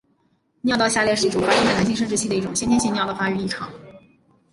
尿道下裂是一种发生在男性生殖器的一种先天性尿道发育异常。